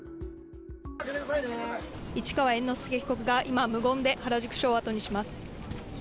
市川猿之助被告が今、無言で原宿署をあとにします。